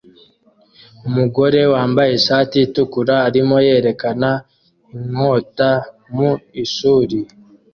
Umugore wambaye ishati itukura arimo yerekana inkota mu ishuri